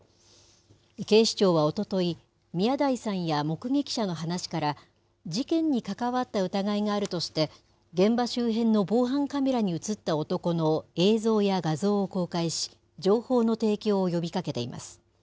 警視庁はおととい、宮台さんや目撃者の話から、事件に関わった疑いがあるとして、現場周辺の防犯カメラに写った男の映像や画像を公開し、情報の提供を呼びかけています。